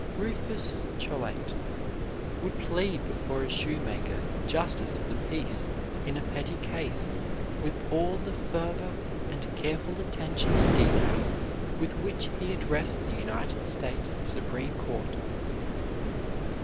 Rufus Choate would plead before a shoemaker justice of the peace in a petty case with all the fervor and careful attention to detail with which he addressed the United States Supreme Court.